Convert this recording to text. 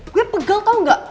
gue pegal tau gak